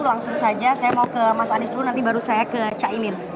langsung saja saya mau ke mas anies dulu nanti baru saya ke caimin